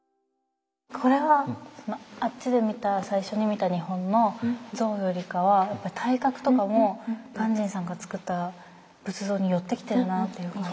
これはあっちで見た最初に見た日本の像よりかはやっぱり体格とかも鑑真さんがつくった仏像に寄ってきてるなっていう感じが。